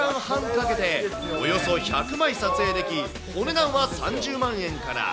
１時間かけておよそ１００枚撮影でき、お値段は３０万円から。